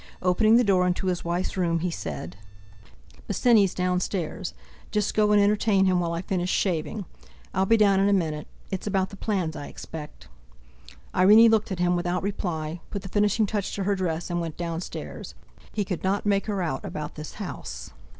Opening the door into his wife's room, he said: "Bosinney's downstairs. Just go and entertain him while I finish shaving. I'll be down in a minute. It's about the plans, I expect." Irene looked at him, without reply, put the finishing touch to her dress and went downstairs. He could not make her out about this house.